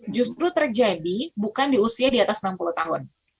justru terjadi bukan di usia di atas enam puluh tahun